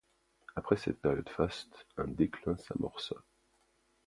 Après cette période faste, un déclin s'amorça.